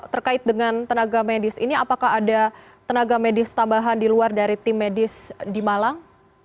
terkait dengan tenaga medis ini apakah ada tenaga medis tambahan di luar dari tim medis di malang